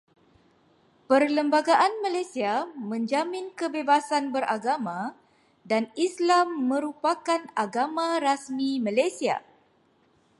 Perlembagaan Malaysia menjamin kebebasan beragama, dan Islam merupakan agama rasmi Malaysia.